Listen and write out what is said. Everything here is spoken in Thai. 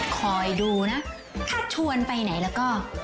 คอยดูนะถ้าชวนไปไหนแล้วก็